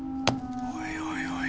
おいおい